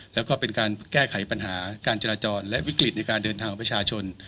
แล้วก็เป็นการแก้ไขปัญหาการจราจรและวิกฤตในการเดินทางของประชาชน